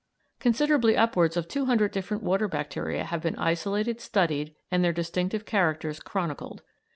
Considerably upwards of two hundred different water bacteria have been isolated, studied, and their distinctive characters chronicled.